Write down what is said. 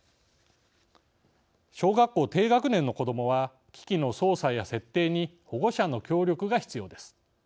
小学校低学年の子どもは機器の操作や設定に保護者の協力が必要です。